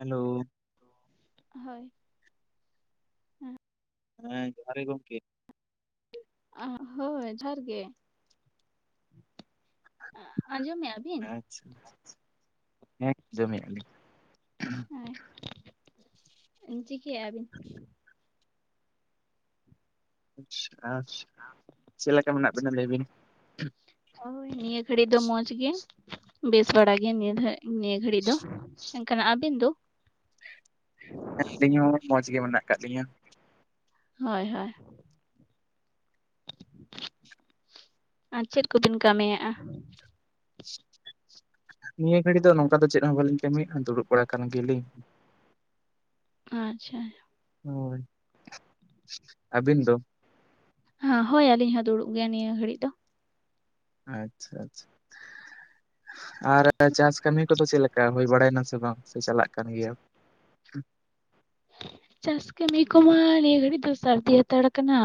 Hello. ᱦᱳᱭ᱾ ᱦᱮᱸ ᱡᱚᱦᱟᱨ ᱜᱮ ᱜᱚᱝᱠᱮ᱾ ᱟᱸᱦ ᱦᱳᱭ ᱡᱚᱦᱟᱨ ᱜᱮ᱾ ᱟᱸᱜ ᱟᱸᱡᱚᱢᱮᱜᱼᱟ ᱵᱤᱱ? ᱟᱪᱪᱷᱟ ᱟᱪᱪᱷᱟ, ᱦᱮᱸ ᱟᱸᱡᱚᱢᱮᱫᱼᱟ ᱞᱤᱧ ᱟᱸᱭ ᱪᱤᱠᱟᱹᱭᱮᱼᱟ ᱵᱤᱱ? ᱪᱮ ᱟᱨ ᱪᱮ ᱞᱮᱠᱟ ᱢᱮᱱᱟᱜ ᱵᱤᱱᱟ ᱞᱟᱹᱭ ᱵᱤᱱ? ᱦᱳᱭ ᱱᱤᱭᱟᱹ ᱜᱷᱟᱹᱲᱤ ᱫᱚ ᱢᱚᱸᱡᱽ ᱜᱮ, ᱵᱮᱥ ᱵᱟᱲᱟ ᱜᱮ ᱱᱤᱭᱟᱹ ᱫᱷᱟ ᱱᱤᱭᱟᱹ ᱜᱷᱟᱹᱲᱤ ᱫᱚ᱾ ᱠᱟᱱᱟ ᱟᱹᱵᱤᱱ ᱫᱚ? ᱟᱹᱞᱤᱧ ᱦᱚᱸ ᱢᱚᱸᱡᱽ ᱜᱮ ᱢᱮᱱᱟᱜ ᱠᱟᱜ ᱞᱤᱧᱟᱹ᱾ ᱦᱳᱭ ᱦᱳᱭ᱾ ᱟᱸ ᱪᱮᱫ ᱠᱚᱵᱮᱱ ᱠᱟᱢᱤ ᱮᱸᱼᱟ? ᱱᱤᱭᱟᱹ ᱜᱷᱟᱹᱲᱤ ᱫᱚ ᱱᱚᱝᱠᱟ ᱫᱚ ᱪᱮᱫ ᱦᱚᱸ ᱵᱟᱹᱞᱤᱧ ᱠᱟᱹᱢᱤᱭᱮᱜ ᱫᱩᱲᱩᱵ ᱵᱟᱲᱟ ᱠᱟᱱ ᱜᱮᱞᱤᱝ᱾ ᱟᱸᱪᱷᱟ᱾ ᱦᱳᱭ, ᱟᱹᱵᱤᱱ ᱫᱚ? ᱦᱟᱸ ᱦᱳᱭ ᱟᱹᱞᱤᱧ ᱦᱚᱸ ᱫᱩᱲᱩᱵ ᱜᱮᱭᱟ ᱱᱤᱭᱟᱹ ᱜᱷᱟᱹᱲᱤᱡ ᱫᱚ᱾ ᱟᱪᱪᱷᱟ ᱟᱪ ᱟᱨ ᱮ ᱪᱟᱥ ᱠᱟᱹᱢᱤ ᱠᱚᱫᱚ ᱪᱮᱞᱮᱠᱟ ᱦᱩᱭ ᱵᱟᱲᱟᱭᱮᱱᱟ ᱥᱮ ᱵᱟᱝ? ᱥᱮ ᱪᱟᱞᱟᱜ ᱠᱟᱱ ᱜᱮᱭᱟ᱾ ᱪᱟᱥ ᱠᱟᱹᱢᱤ ᱠᱚᱢᱟ ᱱᱤᱭᱟᱹ ᱜᱷᱟᱹᱲᱤᱡ ᱫᱚ ᱥᱟᱹᱨᱫᱤ ᱦᱟᱛᱟᱲ ᱠᱟᱱᱟ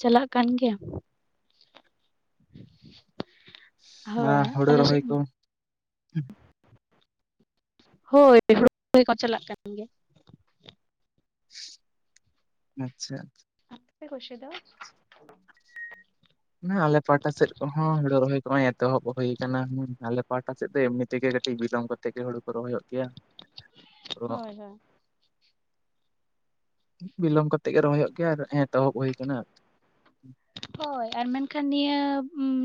ᱪᱟᱞᱟᱜ ᱠᱟᱱ ᱜᱮᱭᱟ᱾ ᱦᱳᱭ ᱦᱩᱲᱩ ᱟᱞᱮ ᱥᱮᱡ ᱨᱚᱦᱚᱭ ᱠᱚ ᱦᱳᱭ [unintelligible] ᱪᱟᱞᱟᱜ ᱠᱟᱱ ᱜᱮᱭᱟ᱾ ᱟᱪᱪᱷᱟ᱾ ᱟᱯᱮ ᱠᱚ ᱥᱮ ᱫᱚ? ᱱᱟ ᱟᱞᱮ ᱯᱟᱦᱴᱟ ᱥᱮᱫ ᱠᱚᱦᱚᱸ ᱦᱳᱲᱳ ᱨᱚᱦᱚᱭ ᱠᱚ ᱚᱭ ᱮᱛᱚᱦᱚᱵ ᱦᱩᱭ ᱠᱟᱱᱟ ᱦᱩᱸ ᱟᱞᱮ ᱯᱟ ᱯᱟ ᱥᱮᱜ ᱫᱚ ᱮᱢᱱᱤ ᱛᱮᱜᱮ ᱠᱟᱹᱴᱤᱡ ᱵᱤᱞᱚᱢ ᱠᱟᱛᱮ ᱜᱮ ᱦᱳᱲᱳ ᱠᱚ ᱨᱚᱦᱚᱭᱚᱜ ᱜᱮᱭᱟ᱾ ᱦᱳᱭ ᱦᱳᱭ [unintelligible] ᱵᱤᱞᱚᱢ ᱠᱟᱛᱮ ᱜᱮ ᱨᱚᱦᱚᱭᱚᱜ ᱜᱮᱭᱟ ᱟᱨ ᱮᱸᱛᱚᱦᱚᱵ ᱦᱳᱭ ᱠᱟᱱᱟ᱾ ᱦᱳᱭ ᱟᱨ ᱢᱮᱱᱠᱷᱟᱱ ᱱᱤᱭᱟᱹ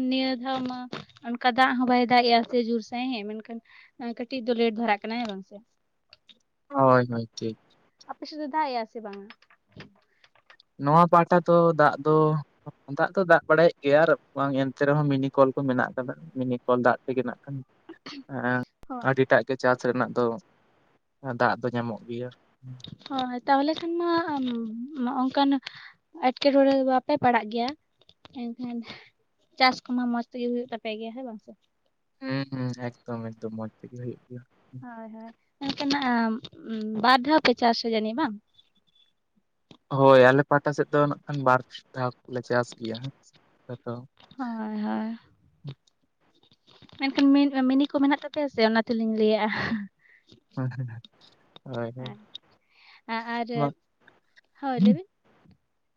ᱱᱤᱭᱟᱹ ᱫᱷᱟᱣ ᱢᱟ ᱚᱱᱠᱟ ᱫᱟᱜ ᱦᱚᱸ ᱵᱟᱭ ᱫᱟᱜ ᱮᱼᱟ ᱥᱮ ᱡᱳᱨ ᱥᱟᱺᱦᱤ ᱢᱮᱱᱠᱷᱟᱱ ᱟᱸ ᱠᱟᱹᱴᱤᱡ ᱫᱚ ᱞᱮᱴ ᱫᱷᱚᱨᱟᱜ ᱠᱟᱱᱟ, ᱦᱮᱸ ᱵᱟᱝ ᱥᱮ? ᱦᱳᱭ ᱦᱳᱭ ᱴᱷᱤᱠ᱾ ᱟᱯᱮ ᱥᱮ ᱫᱚ ᱫᱟᱜ ᱮᱼᱟ ᱥᱮ ᱵᱟᱝ? ᱱᱚᱣᱟ ᱯᱟᱦᱴᱟ ᱛᱚ ᱫᱟᱜ ᱫᱚ ᱫᱟᱜ ᱫᱚ ᱫᱟᱜ ᱵᱟᱲᱟᱭᱮᱜ ᱜᱮᱭᱟ ᱟᱨ ᱵᱟᱝ ᱮᱱᱛᱮ ᱨᱮᱦᱚᱸ ᱢᱤᱱᱤ ᱠᱚᱞ ᱠᱚ ᱢᱮᱱᱟᱜ ᱠᱟᱫᱟ ᱢᱤᱱᱤᱠᱚᱞ ᱫᱟᱜ ᱛᱮᱜᱮ ᱱᱟᱜ [unintelligible] ᱦᱳᱭ ᱟᱹᱰᱤ ᱴᱟᱜ ᱜᱮ ᱪᱟᱥ ᱨᱮᱱᱟᱜ ᱫᱚ ᱫᱟᱜ ᱫᱚ ᱧᱟᱢᱚᱜ ᱜᱮᱭᱟ᱾ ᱦᱚᱸᱭ ᱛᱟᱦᱚᱞᱮ ᱠᱷᱟᱱᱢᱟ ᱟᱢ ᱱᱚᱼᱚᱝᱠᱟᱱ ᱮᱴᱠᱮᱴᱚᱬᱮ ᱫᱚ ᱵᱟᱯᱮ ᱯᱟᱲᱟᱜ ᱜᱮᱭᱟ ᱮᱱᱠᱷᱟᱱ᱾ ᱪᱟᱥ ᱠᱚᱢᱟ ᱢᱚᱸᱡᱽ ᱛᱮᱜᱤ ᱦᱩᱭᱩᱜ ᱛᱟᱯᱮ ᱜᱮᱭᱟ ᱦᱮᱸ ᱵᱟᱝ ᱥᱮ᱾ ᱦᱩᱸ ᱦᱩᱸ ᱮᱠᱫᱚᱢ ᱮᱠᱫᱚᱢ ᱢᱚᱸᱡᱽ ᱛᱮᱜᱤ ᱦᱩᱭᱩᱜ ᱜᱮᱭᱟ᱾ ᱦᱚᱭ ᱦᱚᱭ ᱢᱮᱱᱠᱟᱱᱟᱜ ᱵᱟᱨ ᱫᱷᱟᱣ ᱯᱮ ᱪᱟᱥᱟ ᱡᱟᱹᱱᱤᱜ ᱵᱟᱝ᱾ ᱦᱳᱭ ᱟᱞᱮ ᱯᱟᱦᱴᱟ ᱥᱮᱜ ᱫᱚ ᱱᱟᱜ ᱠᱷᱟᱱ ᱵᱟᱨ ᱫᱷᱟᱯ ᱞᱮ ᱪᱟᱥ ᱜᱮᱭᱟ ᱟᱫᱚ᱾ ᱦᱚᱭ ᱦᱚᱭ᱾ ᱢᱮᱱᱠᱷᱟᱱ ᱢᱤᱱ ᱢᱤᱱᱤ ᱠᱚ ᱢᱮᱱᱟᱜ ᱛᱟᱯᱮᱭᱟ ᱥᱮ ᱚᱱᱟ ᱛᱮᱞᱤᱧ ᱦᱳᱭ ᱦᱳᱭ ᱞᱟᱹᱭᱟᱜ-ᱟ᱾ ᱟᱨ ᱟᱨ ᱵᱟᱝ ᱦᱳᱭ ᱞᱟᱹᱭ ᱵᱤᱱ᱾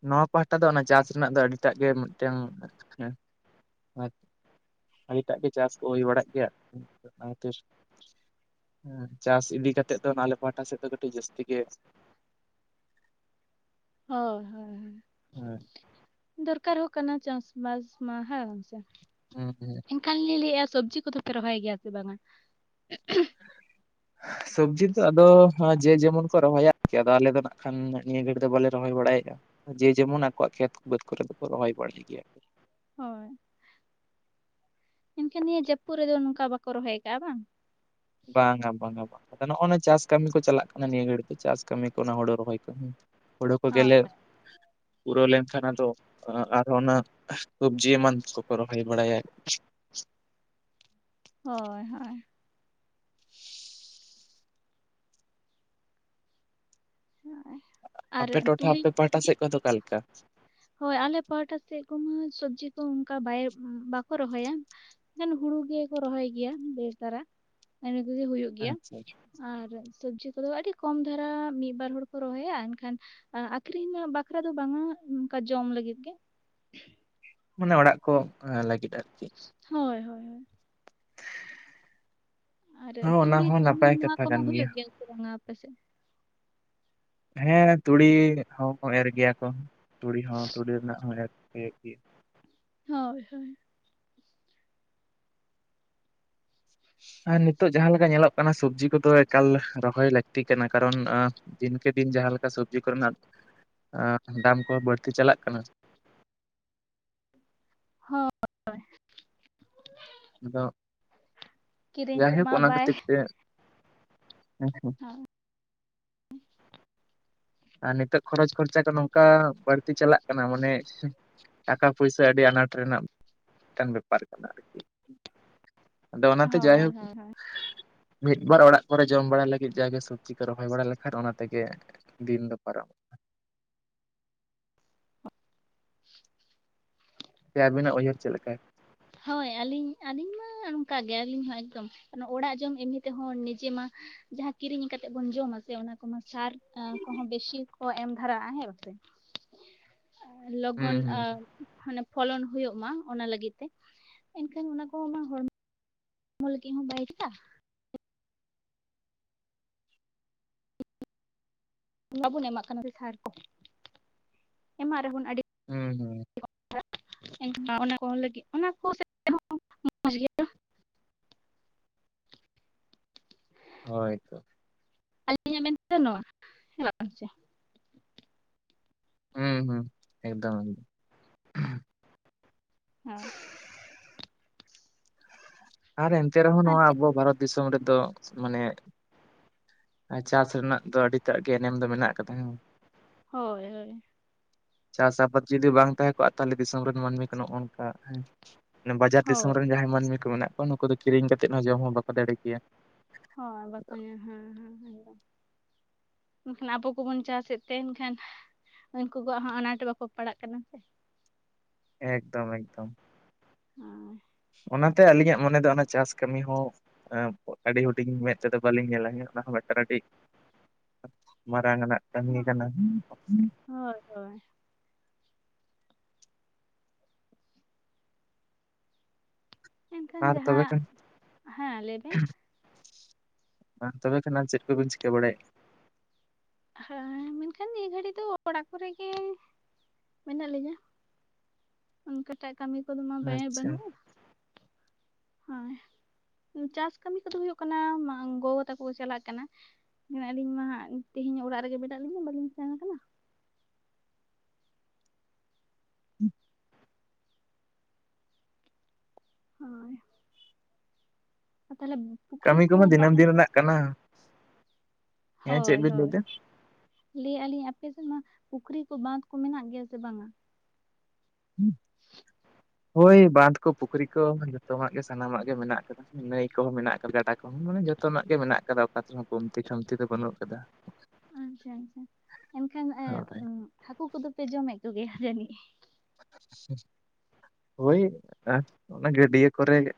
ᱱᱚᱣᱟ ᱯᱟᱦᱴᱟ ᱫᱚ ᱚᱱᱟ ᱪᱟᱥ ᱨᱮᱱᱟᱜ ᱫᱚ ᱟᱰᱤᱴᱟᱜ ᱜᱮ ᱢᱤᱜᱴᱮᱝ᱾ ᱟᱰᱤᱴᱟᱜ ᱜᱮ ᱪᱟᱥ ᱠᱚ ᱦᱳᱭ ᱵᱟᱲᱟᱜ ᱜᱮᱭᱟ ᱚᱱᱟ ᱠᱷᱟᱛᱤᱨ᱾ ᱦᱮᱸ ᱪᱟᱥ ᱤᱫᱤ ᱠᱟᱛᱮᱫ ᱫᱚ ᱱᱟᱜ ᱟᱞᱮ ᱯᱟᱦᱴᱟ ᱥᱮᱜ ᱫᱚ ᱠᱟᱹᱴᱤᱡ ᱡᱟᱹᱥᱛᱤ ᱜᱮ᱾ ᱦᱳᱭ ᱦᱳᱭ ᱦᱳᱭ᱾ ᱦᱳᱭ᱾ ᱫᱚᱨᱠᱟᱨ ᱦᱚᱸ ᱠᱟᱱᱟ ᱪᱟᱸᱥᱵᱟᱥ ᱢᱟ ᱦᱮᱸ ᱵᱟᱝᱥᱮ᱾ ᱦᱮᱸ ᱮᱱᱠᱷᱟᱱ ᱞᱤᱧ ᱞᱟᱹᱭᱮᱜ-ᱟ ᱥᱚᱵᱽᱡᱤ ᱠᱚᱫᱚ ᱯᱮ ᱨᱚᱦᱚᱭ ᱜᱮᱭᱟ ᱥᱮ ᱵᱟᱝᱟ᱾ [inaudible] ᱥᱚᱵᱽᱡᱤ ᱫᱚ ᱟᱫᱚ ᱡᱮ ᱡᱮᱢᱚᱱ ᱠᱚ ᱨᱚᱦᱚᱭᱟ ᱟᱨᱠᱤ ᱟᱫᱚ ᱟᱞᱮ ᱫᱚ ᱱᱟᱜ ᱠᱷᱟᱱ ᱱᱤᱭᱟᱹ ᱜᱷᱟᱹᱲᱤᱡ ᱫᱚ ᱵᱟᱞᱮ ᱨᱚᱦᱚᱭ ᱵᱟᱲᱟᱭᱮᱜ-ᱟ᱾ ᱡᱮ ᱡᱮᱢᱚᱱ ᱟᱠᱚᱣᱟᱜ ᱠᱷᱮᱛ ᱵᱟᱹᱫᱽ ᱠᱚᱨᱮ ᱫᱚ ᱠᱚ ᱨᱚᱦᱚᱭ ᱵᱟᱲᱟᱭ ᱜᱮᱭᱟ ᱠᱩ᱾ ᱦᱳᱭ ᱮᱱᱠᱷᱟᱱ ᱱᱤᱭᱟᱹ ᱡᱟᱹᱯᱩᱜ ᱨᱮᱜᱮ ᱱᱚᱝᱠᱟ ᱵᱟᱠᱚ ᱨᱚᱦᱚᱭ ᱠᱟᱜ-ᱟ ᱵᱟᱝ᱾ ᱵᱟᱝᱟ ᱵᱟᱝᱟ ᱵᱟᱝᱟ ᱱᱚᱜ-ᱚ ᱱᱟ ᱪᱟᱥ ᱠᱟᱢᱤ ᱠᱚ ᱪᱟᱞᱟᱜ ᱠᱟᱱᱟ ᱱᱤᱭᱟᱹ ᱜᱷᱟᱹᱲᱤᱡ ᱫᱚ ᱪᱟᱥ ᱠᱟᱹᱢᱤ ᱠᱚ ᱚᱱᱟ ᱦᱳᱲᱳ ᱨᱚᱦᱚᱭ ᱠᱚ ᱦᱩᱸ᱾ ᱦᱳᱲᱳ ᱠᱚ ᱦᱳᱭ ᱜᱮᱞᱮ ᱯᱩᱨᱟᱹᱣ ᱞᱮᱝᱠᱷᱟᱱ ᱟᱫᱚ ᱚᱱᱟ ᱟᱨᱦᱚᱸ ᱚᱱᱟ᱾ ᱥᱚᱵᱽᱡᱤ ᱮᱢᱟᱱ ᱠᱚᱠᱚ ᱨᱚᱦᱚᱭ ᱵᱟᱲᱟᱭᱟᱭ᱾ ᱦᱚᱭ ᱦᱚᱭ᱾ ᱦᱚᱭ᱾ ᱟᱯᱮ ᱴᱚᱴᱷᱟ ᱟᱯᱮ ᱯᱟᱦᱴᱟ ᱥᱮᱜ ᱠᱷᱚ ᱫᱚ ᱚᱠᱟ ᱞᱮᱠᱟ᱾ ᱦᱳᱭ ᱟᱞᱮ ᱯᱟᱦᱴᱟ ᱥᱮᱜ ᱠᱚᱢᱟ ᱥᱚᱵᱽᱡᱤ ᱠᱚ ᱚᱝᱠᱟ ᱵᱟᱭ ᱵᱟᱠᱚ ᱨᱚᱦᱚᱭᱟ᱾ ᱮᱠᱮᱱ ᱦᱩᱲᱩ ᱜᱮᱠᱚ ᱨᱚᱦᱚᱭ ᱜᱮᱭᱟ ᱵᱮᱥ ᱫᱷᱟᱨᱟ ᱱᱮᱜ ᱱᱤᱭᱟᱹ ᱠᱚᱜᱮ ᱦᱩᱭᱩᱜ᱾ ᱜᱮᱭᱟ ᱟᱪᱪᱷᱟ ᱟᱨ ᱥᱚᱵᱽᱡᱤ ᱠᱚᱫᱚ ᱟᱰᱤ ᱠᱚᱢ ᱫᱷᱟᱨᱟ ᱢᱤ ᱵᱟᱨ ᱦᱚᱲ ᱠᱚ ᱨᱚᱦᱚᱭᱟ ᱮᱱᱠᱷᱟᱱ ᱟᱠᱷᱨᱤᱧ ᱵᱟᱠᱷᱨᱟ ᱫᱚ ᱵᱟᱝᱟ ᱚᱱᱠᱟ ᱡᱚᱢ ᱞᱟᱜᱤᱫ ᱜᱮ᱾ ᱢᱟᱱᱮ ᱚᱲᱟᱜ ᱠᱚ ᱞᱟᱜᱤᱫ ᱟᱨᱠᱤ᱾ ᱦᱳᱭ ᱦᱳᱭ ᱦᱳᱭ᱾ ᱟᱨ ᱦᱚᱸ ᱚᱱᱟ ᱛᱩᱲᱤ ᱦᱚᱸ ᱛᱤᱞᱢᱤᱧ ᱱᱟᱯᱟᱭ ᱱᱚᱣᱟ ᱠᱟᱛᱷᱟ ᱠᱚᱢᱟ ᱠᱟᱱ ᱦᱩᱭᱩᱜ ᱜᱮᱭᱟ ᱥᱮ ᱵᱟᱝᱟ ᱟᱯᱮᱥᱮᱜ᱾ ᱦᱮᱸ ᱛᱩᱲᱤ ᱦᱚᱸᱠᱚ ᱮᱨ ᱜᱮᱭᱟ ᱠᱚ ᱛᱩᱲᱤ ᱦᱚᱸ ᱛᱩᱲᱤ ᱨᱮᱱᱟᱜ ᱦᱚᱸ ᱮᱨ ᱦᱳᱭᱳᱜ ᱜᱮᱭᱟ᱾ ᱦᱳᱭ ᱦᱳᱭ᱾ ᱟᱨ ᱱᱤᱛᱳᱜ ᱡᱟᱸᱦᱟ ᱞᱮᱠᱟ ᱧᱮᱞᱚᱜ ᱠᱟᱱᱟ ᱥᱚᱵᱽᱡᱤ ᱠᱚᱫᱚ ᱮᱠᱟᱞ ᱨᱚᱦᱚᱭ ᱞᱟᱹᱠᱛᱤ ᱠᱟᱱᱟ ᱠᱟᱨᱚᱱ᱾ ᱫᱤᱱᱠᱮ ᱫᱤᱱ ᱡᱟᱸᱦᱟ ᱞᱮᱠᱟ ᱥᱚᱵᱽᱡᱤ ᱠᱚᱨᱮᱱᱟᱜ ᱫᱟᱢ ᱠᱚ ᱵᱟᱹᱲᱛᱤ ᱪᱟᱞᱟᱜ ᱠᱟᱱᱟ᱾ ᱦᱚ ᱟᱫᱚ ᱠᱤᱨᱤᱧ ᱡᱟᱭᱦᱳᱠ ᱛᱮᱢᱟ ᱚᱱᱟ ᱵᱟᱭ ᱠᱷᱟᱹᱛᱤᱨ ᱛᱮ ᱦᱮᱸ ᱥᱮ᱾ ᱦᱳᱭ᱾ ᱟᱨ ᱱᱤᱛᱚᱜ ᱠᱷᱚᱨᱚᱪ ᱠᱷᱚᱨᱪᱟ ᱠᱚ ᱱᱚᱝᱠᱟ ᱵᱟᱲᱛᱤ ᱪᱟᱞᱟᱜ ᱠᱟᱱᱟ ᱢᱟᱱᱮ ᱴᱟᱠᱟ ᱯᱚᱭ ᱟᱰᱤ ᱟᱱᱟᱴ ᱨᱮᱱᱟᱜ [inaudible] ᱴᱮᱝ ᱵᱮᱯᱟᱨ ᱠᱟᱱᱟ ᱟᱨᱠᱤ᱾ ᱟᱫᱚ ᱚᱱᱟᱛᱮ ᱦᱳᱭ ᱡᱟᱭᱦᱳᱠ ᱦᱳᱭ ᱦᱳᱭ᱾ ᱢᱤᱫ ᱵᱟᱨ ᱚᱲᱟᱜ ᱠᱚᱨᱮ ᱡᱚᱢ ᱵᱟᱲᱟ ᱞᱟᱹᱜᱤᱫ ᱡᱟ ᱜᱮ ᱥᱩᱠ᱾ ᱪᱤᱠᱟᱹ ᱨᱚᱦᱚᱭ ᱵᱟᱲᱟ ᱞᱮᱠᱷᱟᱱ ᱚᱱᱟ ᱛᱮᱜᱮ ᱫᱤᱱ ᱫᱚ ᱯᱟᱨᱚᱢᱚᱜ ᱥᱮ ᱟᱵᱤᱱᱟᱜ ᱩᱭᱦᱟᱹᱨ ᱪᱮᱜ ᱞᱮᱠᱟᱭ᱾ ᱦᱳᱭ ᱟᱞᱤᱧ ᱟᱞᱤᱧ ᱢᱟ ᱱᱚᱝᱠᱟ ᱜᱮ ᱟᱞᱤᱧ ᱦᱚᱸ ᱮᱠᱫᱚᱢ᱾ ᱚᱲᱟᱜ ᱡᱚᱢ ᱮᱢᱱᱤ ᱛᱮᱦᱚᱸ ᱱᱤᱡᱮ ᱢᱟ ᱡᱟᱦᱟᱸ ᱠᱤᱨᱤᱧ ᱠᱟᱛᱮᱜ ᱵᱚᱱ ᱡᱚᱢ ᱟ ᱥᱮ ᱚᱱᱟ ᱠᱚᱢᱟ ᱥᱟᱨ ᱠᱚᱦᱚᱸ ᱵᱮᱥᱤ ᱠᱚ ᱮᱢ ᱫᱷᱟᱨᱟᱜᱼᱟ ᱦᱮᱸ ᱵᱟᱥᱮ ᱦᱮᱸ ᱟᱸ ᱞᱚᱜᱚᱱ ᱟᱸ ᱢᱟᱱᱮ ᱯᱷᱚᱞᱚᱱ ᱦᱩᱭᱩᱜ ᱢᱟ ᱚᱱᱟ ᱞᱟᱹᱜᱤᱫ ᱛᱮ ᱮᱱᱠᱷᱟᱱ ᱚᱱᱟ ᱠᱚ ᱢᱟ ᱦᱚᱲᱢᱚ ᱦᱚᱲᱢᱚ ᱞᱟᱜᱤᱫ ᱦᱚᱸ ᱵᱟᱭᱠᱟ ᱴᱷᱤᱠ-ᱟ ᱵᱟᱵᱚᱱ ᱮᱢᱟᱜ ᱠᱟᱱᱟ ᱥᱟᱨ ᱠᱚ ᱮᱢᱟᱜ ᱨᱮᱦᱚ ᱵᱚᱱ ᱟᱹᱰᱤ ᱦᱩᱸ ᱦᱩᱸ [unintelligible] ᱮ ᱚᱱᱟ ᱠᱚ ᱞᱟᱹᱜᱤᱫ ᱚᱱᱟ ᱠᱚ ᱦᱚᱸ ᱢᱚᱡᱽ ᱜᱮᱭᱟ ᱦᱳᱭ ᱛᱚ ᱟᱹᱞᱤᱧᱟᱜ ᱢᱮᱱ ᱛᱮᱫᱚ ᱱᱟᱣᱟ ᱦᱮᱸ ᱵᱟᱝ ᱥᱮ ᱦᱩᱸ ᱦᱩᱸ ᱮᱠᱫᱚᱢ ᱦᱩᱸ ᱟᱨ ᱮᱱᱛᱮ ᱨᱮᱦᱚᱸ ᱟᱨ ᱱᱚᱣᱟ ᱪᱮᱫ ᱟᱵᱚ ᱵᱷᱟᱨᱚᱛ ᱫᱤᱥᱚᱢ ᱨᱮᱫᱚ ᱢᱟᱱᱮ ᱟᱨ ᱪᱟᱥ ᱨᱮᱱᱟᱜ ᱫᱚ ᱟᱹᱰᱤ ᱛᱟᱜ ᱜᱮ ᱮᱱᱮᱢ ᱫᱚ ᱢᱮᱱᱟᱜ ᱠᱟᱫᱟ ᱦᱳᱭ ᱪᱟᱥ ᱟᱵᱟᱫ ᱡᱩᱫᱤ ᱵᱟᱝ ᱛᱟᱦᱮᱸ ᱠᱚᱜᱼᱟ ᱛᱟᱦᱚᱞᱮ ᱫᱤᱥᱚᱢ ᱨᱮᱱ ᱢᱟᱹᱱᱢᱤ ᱠᱚ ᱱᱚᱜᱼᱚ ᱱᱚᱝᱠᱟ ᱦᱮᱸ ᱵᱟᱡᱟᱨ ᱫᱤᱥᱚᱢ ᱦᱳᱭ ᱨᱮᱱ ᱡᱟᱦᱟᱸᱭ ᱢᱟᱹᱱᱢᱤ ᱠᱚ ᱢᱮᱱᱟᱜ ᱠᱚᱣᱟ ᱱᱩᱠᱩ ᱫᱚ ᱠᱤᱨᱤᱧ ᱠᱟᱛᱮᱫ ᱦᱚᱸ ᱡᱚᱢ ᱦᱚᱸ ᱵᱟᱠᱚ ᱫᱟᱲᱮ ᱠᱮᱭᱟ ᱦᱳᱭ ᱵᱟᱠᱚ ᱧᱟᱢ ᱦᱮᱸ ᱦᱮᱸ ᱦᱮᱸ ᱮᱠᱫᱚᱢ ᱢᱮᱱᱠᱷᱟᱱ ᱟᱵᱚ ᱠᱚᱵᱚᱱ ᱪᱟᱥᱮᱫ ᱛᱮ ᱮᱱᱠᱷᱟᱱ ᱩᱱᱠᱩ ᱠᱚᱣᱟᱜ ᱦᱚᱸᱟᱸᱜ ᱟᱱᱟᱴ ᱵᱟᱠᱚ ᱯᱟᱲᱟᱜ ᱠᱟᱱᱟ ᱥᱮ ᱮᱠᱫᱚᱢ ᱮᱠᱫᱚᱢ ᱦᱩᱸ ᱚᱱᱟᱛᱮ ᱟᱹᱞᱤᱧᱟᱜ ᱢᱚᱱᱮ ᱫᱚ ᱚᱱᱟ ᱪᱟᱥ ᱠᱟᱹᱢᱤ ᱦᱚᱸ ᱟᱹ ᱟᱹᱰᱤ ᱦᱩᱰᱤᱧ ᱢᱮᱫ ᱛᱮᱫᱚ ᱵᱟᱹᱞᱤᱧ ᱧᱮᱞᱟ ᱦᱮ ᱚᱱᱟ ᱦᱚᱸ ᱢᱤᱫᱴᱟᱝ ᱟᱹᱰᱤ ᱢᱟᱨᱟᱝ ᱟᱱᱟᱜ ᱠᱟᱹᱢᱤ ᱠᱟᱱᱟ ᱢᱟᱥᱮ ᱦᱳᱭ ᱦᱳᱭ ᱮᱱᱠᱷᱟᱱ ᱟᱨ ᱛᱚᱵᱮ ᱡᱟᱦᱟᱸ ᱠᱷᱟᱱ ᱦᱮᱸ ᱞᱮᱭ ᱵᱤᱱ ᱵᱟᱝ ᱛᱚᱵᱮ ᱠᱷᱟᱱ ᱪᱮᱫ ᱠᱚᱵᱤᱱ ᱪᱤᱠᱟᱹ ᱵᱟᱲᱟᱭᱟᱜ ᱦᱮᱸ ᱢᱮᱱᱠᱷᱟᱱ ᱱᱤᱭᱟᱹ ᱜᱷᱟᱹᱲᱤᱡ ᱫᱚ ᱚᱲᱟᱜ ᱠᱚᱨᱮᱜ ᱜᱮ ᱢᱮᱱᱟᱜ ᱞᱤᱧᱟᱹ ᱚᱱᱠᱟᱴᱟᱜ ᱠᱟᱹᱢᱤ ᱠᱚᱫᱚ ᱢᱟ ᱵᱟᱲᱟᱭ ᱟᱪᱪᱷᱟ ᱵᱟᱹᱱᱩᱜᱼᱟ ᱦᱳᱭ ᱪᱟᱥ ᱠᱟᱹᱢᱤ ᱠᱚᱫᱚ ᱦᱩᱭᱩᱜ ᱠᱟᱱᱟ ᱜᱚᱜᱚ ᱛᱟᱠᱚ ᱠᱚ ᱪᱟᱞᱟᱜ ᱠᱟᱱᱟ ᱦᱮᱸ ᱟᱞᱤᱧ ᱢᱟ ᱛᱮᱦᱮᱧ ᱚᱲᱟᱜ ᱨᱮᱜᱮ ᱢᱮᱱᱟᱜ ᱞᱤᱧᱟ ᱵᱟᱹᱞᱤᱧ ᱥᱮᱱ ᱟᱠᱟᱱᱟ [inaudible] ᱦᱳᱭ ᱛᱟᱦᱚᱞᱮ ᱯᱩᱠᱷᱨᱤ ᱠᱟᱹᱢᱤ ᱠᱚ ᱠᱚᱢᱟ ᱫᱤᱱᱟᱹᱢ ᱵᱟᱸᱫ ᱫᱤᱱ ᱨᱮᱱᱟᱜ ᱠᱟᱱᱟ ᱦᱮᱸ ᱪᱮᱫ ᱦᱳᱭ ᱵᱤᱱ ᱞᱟᱹᱭ ᱦᱳᱭ ᱮᱫᱟ ᱞᱟᱹᱭ ᱟᱹᱞᱤᱧ ᱟᱯ ᱥᱮᱫ ᱢᱟ ᱯᱩᱠᱷᱨᱤ ᱠᱚ ᱵᱟᱸᱫᱷ ᱠᱚ ᱢᱮᱱᱟᱜ ᱜᱮᱭᱟ ᱥᱮ ᱵᱟᱝ-ᱟ ᱦᱳᱭ ᱵᱟᱸᱫᱷ ᱠᱚ ᱯᱩᱠᱷᱨᱤ ᱠᱚ ᱡᱚᱛᱚ ᱟᱜ ᱜᱮ ᱥᱟᱱᱟᱢᱟᱜ ᱜᱮ ᱢᱮᱱᱟᱜ ᱟᱠᱟᱫᱟ ᱱᱟᱹᱭ ᱠᱚᱦᱚᱸ ᱢᱮᱱᱟᱜ ᱠᱟᱫᱟ ᱜᱟᱰᱟ ᱠᱚᱦᱚᱸ ᱢᱟᱱᱮ ᱡᱚᱛᱚᱱᱟᱜ ᱜᱮ ᱢᱮᱱᱟᱜ ᱠᱟᱫᱟ ᱛᱚ ᱠᱚᱢᱛᱤ ᱠᱷᱩᱢᱛᱤ ᱫᱚ ᱵᱟᱹᱱᱩᱜ ᱠᱟᱫᱟ ᱟᱪᱪᱷᱟ ᱟᱪᱪᱷᱟ ᱮᱱᱠᱷᱟᱱ ᱦᱳᱭ᱾ ᱮᱸ ᱦᱟᱹᱠᱩ ᱠᱚᱫᱚ ᱯᱮ ᱡᱚᱢᱮᱫ ᱠᱚᱜᱮᱭᱟ ᱡᱟᱹᱱᱤᱡ? ᱦᱳᱭ ᱚᱱᱟ ᱜᱟᱹᱰᱭᱟᱹ ᱠᱚ ᱨᱮ ᱜᱮ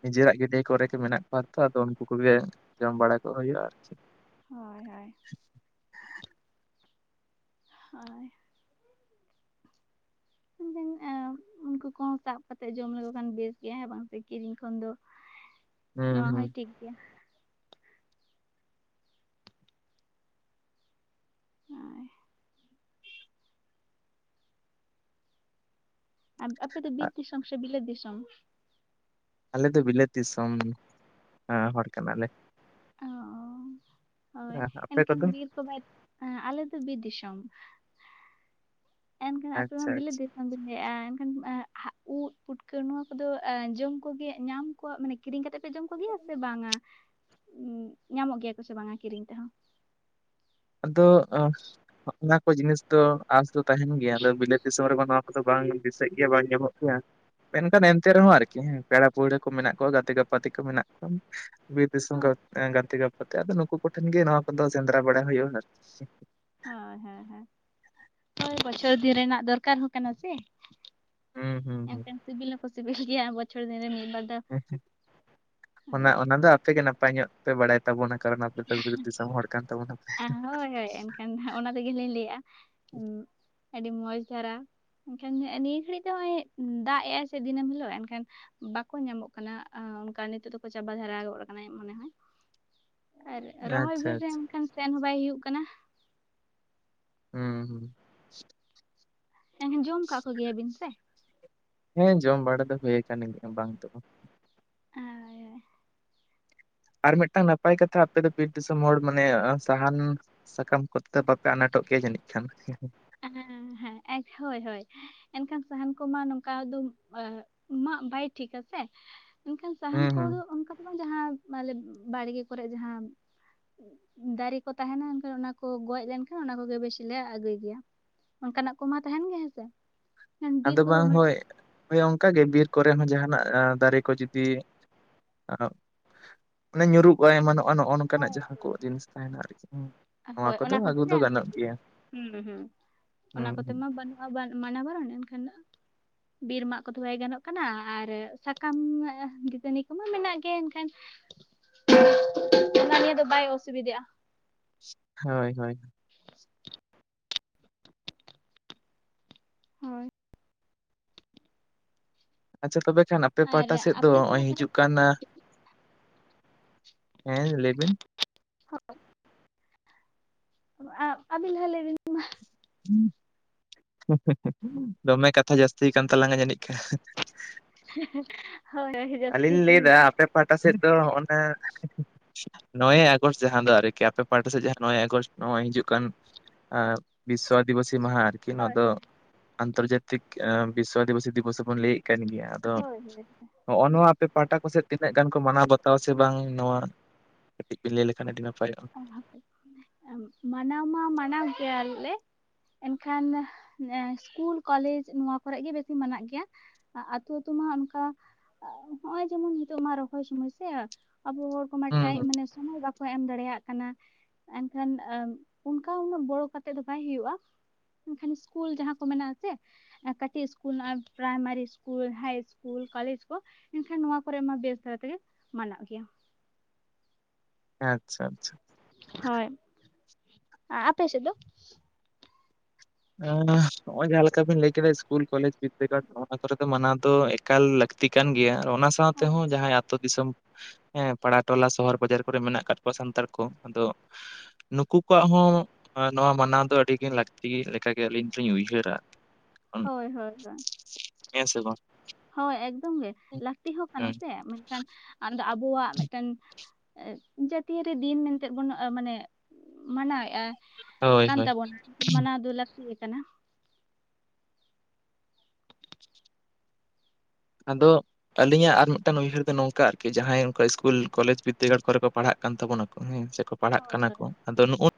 ᱱᱤᱡᱮᱨᱟᱜ ᱜᱟᱹᱰᱭᱟᱹ ᱠᱚᱨᱮ ᱜᱮ ᱢᱮᱱᱟᱜ ᱠᱚᱣᱟ ᱛᱚ ᱟᱫᱚ ᱩᱱᱠᱩ ᱠᱚᱜᱮ ᱡᱚᱢ ᱵᱟᱲᱟ ᱠᱚ ᱦᱩᱭᱩᱜᱼᱟ ᱟᱨᱠᱤ᱾ ᱦᱳᱭ ᱦᱳᱭ᱾ ᱦᱳᱭ ᱮᱱᱠᱷᱟᱱ ᱮᱸ [inaudible] ᱩᱱᱠᱩ ᱠᱚᱦᱚᱸ ᱥᱟᱵ ᱠᱟᱛᱮᱫ ᱡᱚᱢ ᱞᱮᱠᱚ ᱠᱷᱟᱱ ᱵᱮᱥ ᱜᱮᱭᱟ ᱦᱮᱸ ᱵᱟᱝ ᱥᱮ ᱠᱤᱨᱤᱧ ᱠᱷᱚᱱ ᱫᱚ᱾ ᱦᱩᱸ ᱱᱚᱣᱟ ᱦᱩᱸ ᱦᱚᱸᱭ ᱴᱷᱤᱠ ᱜᱮᱭᱟ᱾ ᱦᱳᱭ᱾ ᱟᱯ-ᱟᱯᱮ ᱫᱚ ᱵᱤᱨ ᱫᱤᱥᱚᱢ ᱥᱮ ᱵᱤᱞᱟᱹᱛ ᱫᱤᱥᱚᱢ? ᱟᱞᱮ ᱫᱚ ᱵᱤᱞᱟᱹᱛ ᱫᱤᱥᱚᱢ ᱮᱸ ᱦᱚᱲ ᱠᱟᱱᱟᱞᱮ᱾ ᱚ᱾ ᱦᱳᱭ ᱟᱯᱮ ᱠᱚᱫᱚ ᱮᱱᱠᱷᱟᱱ ᱵᱤᱨ ᱠᱚ ᱵᱟᱭ ᱟᱞᱮ ᱫᱚ ᱵᱤᱨ ᱫᱤᱥᱚᱢ᱾ ᱮᱱᱠᱷᱟᱱ ᱟᱯᱮ ᱢᱟ ᱟᱪᱪᱷᱟ ᱵᱤᱞᱟᱹᱫ ᱟᱪᱪᱷᱟ ᱫᱤ ᱟᱫᱚᱧ ᱞᱮᱭᱟᱜᱼᱟ ᱮᱱᱠᱷᱟᱱ ᱦᱟ ᱩᱜ ᱯᱩᱴᱠᱟᱹ ᱱᱚᱣᱟ ᱠᱚᱫᱚ ᱡᱚᱢ ᱠᱚᱜᱮ ᱧᱟᱢ ᱠᱩᱣᱟ ᱢᱟᱱᱮ ᱠᱤᱨᱤᱧ ᱠᱟᱛᱮᱜ ᱯᱮ ᱡᱚᱢ ᱠᱚᱜᱮᱭᱟ ᱥᱮ ᱵᱟᱝᱟ ᱧᱟᱢᱚᱜ ᱜᱮᱭᱟ ᱠᱚ ᱥᱮ ᱵᱟᱝᱟ ᱠᱤᱨᱤᱧ ᱛᱮᱦᱚᱸ? ᱟᱫᱚᱜ ᱮᱸ ᱚᱱᱟ ᱠᱚ ᱡᱤᱱᱤᱥ ᱫᱚ ᱟᱥ ᱫᱚ ᱛᱟᱦᱮᱸᱱ ᱜᱮᱭᱟ ᱟᱫᱚ ᱵᱤᱞᱟᱹᱛ ᱫᱤᱥᱚᱢ ᱨᱮᱢᱟ ᱱᱚᱣᱟ ᱠᱚᱫᱚ ᱵᱟᱝ ᱫᱤᱥᱟᱹᱜ ᱜᱮᱭᱟ ᱵᱟᱝ ᱧᱟᱢᱚᱜ ᱜᱮᱭᱟ, ᱢᱮᱱᱠᱷᱟᱱ ᱮᱱᱛᱮ ᱨᱮᱦᱚᱸ ᱟᱨᱠᱤ ᱦᱮᱸ ᱯᱮᱲᱟ ᱯᱟᱹᱲᱦᱟᱹ ᱠᱚ ᱢᱮᱱᱟᱜ ᱠᱚᱣᱟ ᱜᱟᱛᱮ ᱜᱟᱯᱟᱛᱮ ᱠᱚ ᱢᱮᱱᱟᱜ ᱠᱚᱣᱟ, ᱵᱤᱨ ᱫᱤᱥᱚᱢ ᱜᱟᱛᱮ ᱜᱟᱯᱟᱛᱮ ᱟᱫᱚ ᱱᱩᱠᱩ ᱠᱚᱴᱷᱮᱱ ᱜᱮ ᱱᱚᱣᱟ ᱠᱚᱫᱚ ᱥᱮᱸᱫᱽᱨᱟ ᱵᱟᱲᱟ ᱦᱩᱭᱩᱜᱼᱟ ᱟᱨᱠᱤ᱾ ᱦᱳᱭ ᱦᱮᱸ ᱦᱮᱸ, ᱦᱳᱭ ᱵᱚᱪᱷᱚᱨ ᱫᱤᱱ ᱨᱮᱱᱟᱜ ᱫᱚᱨᱠᱟᱨ ᱦᱚᱸ ᱠᱟᱱᱟ ᱥᱮ? ᱦᱩᱸ ᱦᱩᱸ ᱮᱱᱠᱷᱟᱱ ᱥᱤᱵᱤᱞ ᱦᱚᱸᱠᱚ ᱥᱤᱵᱤᱞ ᱜᱮᱭᱟ ᱵᱚᱪᱷᱚᱨ ᱫᱤᱱ ᱨᱮ ᱢᱤᱫ ᱵᱟᱨ ᱫᱚ ᱦᱮᱸᱥᱮ ᱚᱱᱟ ᱚᱱᱟ ᱫᱚ ᱟᱯᱮ ᱜᱮ ᱱᱟᱯᱟᱭ ᱧᱚᱜ ᱯᱮ ᱵᱟᱲᱟᱭ ᱛᱟᱵᱚᱱᱟ ᱠᱟᱨᱚᱱ ᱟᱯᱮ ᱫᱚ ᱵᱤᱨ ᱫᱤᱥᱚᱢ ᱦᱚᱲ ᱠᱟᱱ ᱛᱟᱵᱚᱱᱟᱯᱮ᱾ ᱦᱮᱸ ᱦᱳᱭ ᱦᱳᱭ ᱮᱱᱠᱷᱟᱱ ᱚᱱᱟ ᱛᱮᱜᱮᱞᱤᱧ ᱞᱟᱹᱭᱮᱜᱼᱟ ᱟᱹᱰᱤ ᱢᱚᱸᱡᱽ ᱫᱷᱟᱨᱟ ᱮᱱᱠᱷᱟᱱ ᱦᱮᱸ ᱱᱤᱭᱟᱹ ᱜᱷᱟᱹᱲᱤᱡ ᱫᱚ ᱱᱚᱸᱜᱼᱚᱭ ᱫᱟᱜ ᱮᱜ ᱟᱭ ᱥᱮ ᱫᱤᱱᱟᱹᱢ ᱦᱤᱞᱳᱜ ᱮᱱᱠᱷᱟᱱ ᱵᱟᱠᱚ ᱧᱟᱢᱚᱜ ᱠᱟᱱᱟ ᱟ ᱚᱱᱠᱟ ᱱᱤᱛᱚᱜ ᱫᱚᱠᱚ ᱪᱟᱵᱟ ᱫᱷᱟᱨᱟ ᱜᱚᱫ ᱟᱠᱟᱱᱟ ᱢᱚᱱᱮ ᱦᱚᱭ᱾ ᱟᱨ ᱨᱚᱦᱚᱭ ᱟᱪᱪᱷᱟ ᱵᱷᱳᱨ ᱨᱮ ᱟᱪᱪᱷᱟ ᱮᱠᱷᱟᱱ ᱥᱮᱱ ᱦᱚᱸ ᱵᱟᱭ ᱦᱩᱭᱩᱜ ᱠᱟᱱᱟ᱾ ᱦᱩᱸ ᱦᱩᱸ᱾ ᱮᱱᱦᱚ ᱡᱚᱢ ᱠᱟᱜ ᱠᱚᱜᱮᱭᱟ ᱵᱤᱱ ᱥᱮ? ᱦᱮᱸ ᱡᱚᱢ ᱵᱟᱲᱟ ᱫᱚ ᱦᱩᱭᱠᱟᱱ ᱜᱮᱭᱟᱨ ᱵᱟᱝ ᱫᱚ ᱵᱟᱝ᱾ ᱦᱳᱭ ᱦᱳᱭ᱾ ᱟᱨ ᱢᱤᱫᱴᱟᱝ ᱱᱟᱯᱟᱭ ᱠᱟᱛᱷᱟ ᱟᱯᱮ ᱫᱚ ᱵᱤᱨ ᱫᱤᱥᱚᱢ ᱦᱚᱲ ᱢᱟᱱᱮ ᱥᱟᱦᱟᱱ ᱥᱟᱠᱟᱢ ᱠᱚᱛᱮ ᱵᱟᱯᱮ ᱟᱱᱟᱴᱚᱜ ᱜᱮᱭᱟ ᱡᱟᱹᱱᱤᱡ ᱠᱷᱟᱱ? ᱦᱮᱸ ᱦᱮᱸ ᱦᱳᱭ ᱦᱳᱭ, ᱮᱱᱠᱷᱟᱱ ᱥᱟᱦᱟᱱ ᱠᱚᱢᱟ ᱱᱚᱝᱠᱟ ᱫᱚ ᱟᱜ ᱢᱟᱜ ᱵᱟᱭ ᱴᱷᱤᱠᱟ ᱥᱮ ᱮᱱᱠᱷᱟᱱ ᱥᱟᱦᱟᱱ ᱦᱩᱸ ᱦᱩᱸ ᱠᱚᱫᱚ ᱚᱱᱠᱟ ᱠᱚᱫᱚ ᱡᱟᱦᱟᱸ ᱢᱟᱞᱮ ᱵᱟᱲᱜᱮ ᱠᱚᱨᱮ ᱡᱟᱦᱟᱸ ᱫᱟᱨᱮ ᱠᱚ ᱛᱟᱦᱮᱸᱱᱟ ᱮᱱᱠᱷᱟᱱ ᱚᱱᱟ ᱠᱚ ᱜᱚᱡᱽ ᱞᱮᱱᱠᱷᱟᱱ ᱚᱱᱟ ᱠᱚᱜᱮ ᱵᱮᱥᱤ ᱞᱮ ᱟᱹᱜᱩᱭ ᱜᱮᱭᱟ᱾ ᱚᱱᱠᱟᱱᱟᱜ ᱠᱚᱢᱟ ᱛᱟᱦᱮᱸᱱ ᱜᱮ ᱦᱮᱸᱥᱮ? ᱢᱮᱱᱠᱷᱟᱱ ᱵᱤᱨ ᱟᱫᱚ ᱠᱚᱫᱚ ᱵᱟᱝ ᱩᱱᱟᱹᱜ ᱦᱳᱭ ᱚᱱᱠᱟ ᱜᱮ ᱵᱤᱨ ᱠᱚᱨᱮ ᱦᱚᱸ ᱡᱟᱦᱟᱸᱱᱟᱜ ᱫᱟᱨᱮ ᱠᱚ ᱡᱩᱫᱤ [unintelligible] ᱚᱱᱮ ᱧᱩᱨᱩᱜᱼᱟᱭ ᱮᱢᱟᱱᱚᱜᱼᱟ ᱱᱚᱸᱜᱼᱚ ᱱᱚᱝᱠᱟᱱᱟᱜ ᱦᱳᱭ ᱡᱟᱦᱟᱸ ᱠᱚ ᱡᱤᱱᱤᱥ ᱛᱟᱦᱮᱸᱱᱟ ᱟᱨᱠᱤ᱾ ᱱᱚᱣᱟ ᱦᱳᱭ ᱠᱚᱫᱚ ᱚᱱᱟ ᱠᱚ ᱟᱹᱜᱩ ᱜᱮᱞᱮ ᱫᱚ ᱟᱹᱜᱩᱭ ᱜᱟᱱᱚᱜ ᱜᱮᱭᱟ᱾ ᱦᱮᱸ ᱦᱮᱸ ᱦᱩᱸ ᱚᱱᱟ ᱠᱚᱛᱮ ᱦᱩᱸ ᱢᱟ ᱵᱟᱹᱱᱩᱜ [inaudible] ᱢᱟᱱᱟ ᱵᱟᱨᱚᱱ ᱮᱱᱠᱷᱟᱱ ᱵᱤᱨ ᱢᱟᱜ ᱠᱚᱫᱚ ᱵᱟᱭ ᱜᱟᱱᱚᱜ ᱠᱟᱱᱟ᱾ ᱟᱨ ᱥᱟᱠᱟᱢ ᱫᱟᱹᱛᱟᱹᱱᱤ ᱠᱚᱢᱟ ᱢᱮᱱᱟᱜ ᱜᱮ ᱮᱱᱠᱷᱟᱱ [inaudible] ᱚᱱᱟ ᱱᱤᱭᱮ ᱫᱚ ᱵᱟᱭ ᱚᱥᱩᱵᱤᱫᱟᱜᱼᱟ᱾ ᱦᱳᱭ ᱦᱳᱭ᱾ [unintelligible] ᱦᱳᱭ᱾ ᱟᱪᱪᱷᱟ ᱛᱚᱵᱮ ᱠᱷᱟᱱ ᱟᱯᱮ ᱟᱨ ᱯᱟᱦᱴᱟ ᱥᱮᱫ ᱫᱚ ᱟᱯᱮ ᱠᱚᱢᱟ ᱱᱚᱜᱼᱚᱭ ᱦᱤᱡᱩᱜ ᱠᱟᱱᱟ᱾ ᱦᱮᱸ ᱞᱟᱹᱭ ᱵᱤᱱ᱾ [unintelligible] ᱟᱹᱵᱤᱱ ᱞᱟᱦᱟ ᱞᱟᱹᱭ ᱵᱤᱱ᱾ ᱫᱚᱢᱮ ᱠᱟᱛᱷᱟ ᱡᱟᱹᱥᱛᱤ ᱠᱟᱱ ᱛᱟᱞᱟᱝᱟ ᱡᱟᱹᱱᱤᱡ ᱠᱷᱟᱡ᱾ ᱦᱳᱭ᱾ ᱡᱟᱹᱥᱛᱤ ᱟᱹᱞᱤᱧ ᱞᱤᱧ ᱞᱟᱹᱭ ᱦᱳᱭ ᱫᱟ ᱟᱯᱮ ᱯᱟᱦᱴᱟ ᱥᱮᱫ ᱫᱚ ᱚᱱᱟ᱾ ᱱᱚᱭᱮ ᱟᱜᱚᱥᱴ ᱡᱟᱦᱟᱸ ᱫᱚ ᱟᱨᱠᱤ ᱟᱯᱮ ᱯᱟᱦᱴᱟ ᱥᱮᱫ ᱡᱟᱦᱟᱸ ᱱᱚᱭᱮ ᱟᱜᱚᱥᱴ ᱱᱚᱜᱼᱚᱭ ᱦᱤᱡᱩᱜ ᱠᱟᱱ, ᱟᱨ ᱵᱤᱥᱥᱚ ᱟᱫᱤᱵᱟᱥᱤ ᱢᱟᱦᱟᱸ ᱟᱨᱠᱤ ᱱᱚᱣᱟ ᱦᱳᱭ ᱫᱚ ᱟᱱᱛᱚᱨᱡᱟᱛᱤᱠ ᱵᱤᱥᱥᱚ ᱟᱹᱫᱤ ᱵᱟᱹᱥᱤ ᱫᱤᱵᱚᱥ ᱵᱚᱱ ᱞᱟᱹᱭᱮᱫ ᱠᱟᱱ ᱜᱮᱭᱟ, ᱟᱫᱚ ᱦᱳᱭ ᱱᱚᱜᱼᱚ ᱱᱚᱣᱟ ᱟᱯᱮ ᱯᱟᱦᱴᱟ ᱠᱚᱥᱮᱫ ᱛᱤᱱᱟᱹᱜ ᱜᱟᱱ ᱠᱚ ᱢᱟᱱᱟᱣ ᱵᱟᱛᱟᱣᱟ ᱥᱮ ᱵᱟᱝ? ᱱᱚᱣᱟ ᱠᱟᱹᱴᱤᱡ ᱵᱤᱱ ᱞᱟᱹᱭ ᱞᱮᱠᱷᱟᱱ ᱟᱹᱰᱤ ᱱᱟᱯᱟᱭᱚᱜᱼᱟ᱾ ᱦᱳᱭ ᱢᱟᱱᱟᱣ ᱢᱟ ᱢᱟᱱᱟᱣ ᱜᱮᱭᱟ ᱞᱮ᱾ ᱮᱱᱠᱷᱟᱱ ᱥᱠᱩᱞ ᱠᱚᱞᱮᱡᱽ ᱱᱚᱣᱟ ᱠᱚᱨᱮ ᱜᱮ ᱵᱮᱥᱤ ᱢᱮᱱᱟᱜ ᱜᱮᱭᱟ᱾ ᱟᱹᱛᱩ ᱟᱹᱛᱩ ᱢᱟ ᱚᱱᱠᱟ ᱱᱚᱜᱼᱚᱭ ᱡᱮᱢᱚᱱ ᱱᱤᱛᱚᱜ ᱢᱟ ᱨᱚᱦᱚᱭ ᱥᱚᱢᱚᱭ ᱥᱮ᱾ ᱟᱵᱚ ᱦᱚᱲ ᱠᱚᱢᱟ ᱦᱩᱸ ᱦᱩᱸ [inaudible] ᱢᱟᱱᱮ ᱥᱚᱢᱳᱚᱭ ᱵᱟᱠᱚ ᱮᱢ ᱫᱟᱲᱮᱭᱟᱜ᱾ ᱠᱟᱱᱟ ᱮᱱᱠᱷᱟᱱ ᱩᱱᱟᱹᱜ ᱵᱚᱲᱚ ᱠᱟᱛᱮᱜ ᱫᱚ ᱵᱟᱭ ᱦᱩᱭᱩᱜᱼᱟ᱾ ᱮᱱᱠᱷᱟᱱ ᱥᱠᱩᱞ ᱡᱟᱦᱟᱸ ᱠᱚ ᱢᱮᱱᱟᱜ ᱟᱥᱮ᱾ ᱠᱟᱹᱴᱤᱡ school primary school high school college ᱠᱚ᱾ ᱮᱱᱠᱷᱟᱱ ᱱᱚᱣᱟ ᱠᱚᱨᱮ ᱢᱟ ᱵᱮᱥ ᱫᱷᱟᱨᱟ ᱛᱮᱜᱮ ᱢᱟᱱᱟ ᱜᱮᱭᱟ᱾ ᱦᱮ ᱟᱪᱪᱷᱟ ᱟᱪᱪᱷᱟ ᱦᱳᱭ, ᱟᱯᱮ ᱥᱮ ᱫᱚ? ᱱᱚᱜ-ᱚᱭ ᱡᱟᱦᱟᱸ ᱞᱮᱠᱟ ᱵᱤᱱ ᱞᱟᱹᱭ ᱠᱮᱫᱟ ᱤᱥᱠᱩᱞ ᱠᱚᱞᱮᱡᱽ ᱵᱤᱫᱽᱫᱟᱹᱜᱟᱲ ᱯᱟᱣᱴᱷᱟ ᱠᱚᱨᱮ ᱫᱚ ᱢᱟᱱᱟᱣ ᱫᱚ ᱮᱠᱟᱞ ᱞᱟᱹᱠ -ᱛᱤ ᱠᱟᱱ ᱜᱮᱭᱟ ᱟᱨ ᱚᱱᱟ ᱥᱟᱶ ᱛᱮᱦᱚᱸ ᱡᱟᱦᱟᱭ ᱟᱹᱛᱳ ᱫᱤᱥᱚᱢ᱾ ᱦᱮᱸ ᱯᱟᱲᱟ ᱴᱚᱞᱟ ᱥᱚᱦᱚᱨ ᱵᱟᱡᱟᱨ ᱠᱚᱨᱮ ᱢᱮᱱᱟᱜ ᱠᱟᱫ ᱠᱚᱣᱟ ᱥᱟᱱᱛᱟᱲ ᱠᱚ᱾ ᱟᱫᱚ, ᱱᱩᱠᱩ ᱠᱚᱣᱟᱜ ᱦᱚᱸ ᱱᱚᱣᱟ ᱢᱟᱱᱟᱣ ᱫᱚ ᱟᱹᱰᱤ ᱜᱮ ᱞᱟᱹᱠᱛᱤ ᱜᱮ, ᱞᱮᱠ ᱚᱱᱠᱟᱜᱮ ᱟᱹᱞᱤᱧ ᱫᱚᱞᱤᱧ ᱩᱭᱦᱟᱹᱨᱟ᱾ ᱦᱳᱭ ᱦᱳᱭ ᱦᱳᱭ᱾ ᱦᱮ ᱥᱮ ᱵᱟᱝ? ᱦᱳᱭ ᱮᱠᱫᱚᱢ ᱜᱮ ᱞᱟᱹᱠᱛᱤ ᱦᱚᱸ ᱠᱟᱱᱟ ᱦᱮᱸ ᱥᱮ ᱢᱤᱫᱴᱟᱱ ᱟᱫᱚ ᱟᱵᱚᱣᱟᱜ ᱢᱤᱫᱴᱮᱱ, ᱡᱟᱹᱛᱤᱭᱟᱹᱨᱤ ᱫᱤᱱ ᱢᱮᱱᱛᱮ ᱵᱟᱱ ᱢᱟᱱᱮ ᱢᱟᱱᱟᱣᱮᱫᱼᱟ᱾ ᱦᱳᱭ ᱠᱟᱱ ᱦᱳᱭ ᱛᱟᱵᱚᱱᱟ ᱢᱟᱱᱟᱣ ᱫᱚ ᱞᱟᱹᱠᱛᱤ ᱜᱮ ᱠᱟᱱᱟ᱾ ᱟᱫᱚ ᱟᱹᱞᱤᱧᱟᱜ ᱟᱨ ᱢᱤᱫᱴᱟᱝ ᱩᱭᱦᱟᱨ ᱫᱚ ᱱᱚᱝᱠᱟ ᱟᱨᱠᱤ ᱡᱟᱦᱟᱸᱭ ᱚᱝᱠᱟ ᱤᱥᱠᱩᱞ ᱠᱚᱞᱮᱡᱽ ᱵᱤᱫᱽᱫᱟᱹᱜᱟᱲ ᱠᱚᱨᱮ ᱠᱚ ᱯᱟᱲᱦᱟᱜ ᱠᱟᱱ ᱛᱟᱵᱚᱱᱟᱠᱚ, ᱦᱮᱸ ᱯᱟᱲᱦᱟᱜ ᱦᱳᱭ ᱠᱟᱱᱟ ᱦᱳᱭ ᱠᱚ ᱟᱫᱚ ᱱᱩᱜᱼᱩ